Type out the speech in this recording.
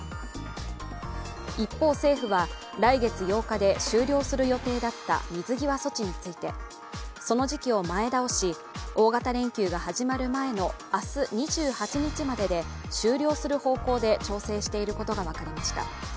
一方、政府は来月８日で終了する予定だった水際措置についてその時期を前倒し、大型連休が始まる前の明日２８日までで終了する方向で調整していることが分かりました。